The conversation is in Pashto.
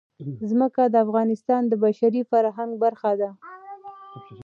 ځمکه د افغانستان د بشري فرهنګ برخه ده.